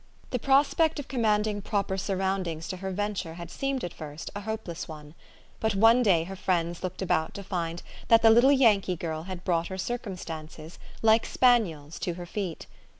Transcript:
The prospect of commanding proper surroundings to her venture had seemed, at first, a hopeless one ; but one day her friends looked about to find that the little Yankee girl had brought her circumstances, like spaniels, to her feet.